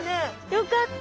よかった。